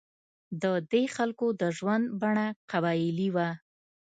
د دې خلکو د ژوند بڼه قبایلي وه.